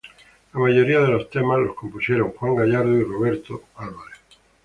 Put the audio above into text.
La mayoría de los temas los compusieron Juan Gallardo y Robert Álvarez.